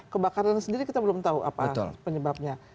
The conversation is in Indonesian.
kebakaran sendiri kita belum tahu apa penyebabnya